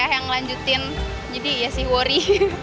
yang ngelanjutin jadi ya sih worry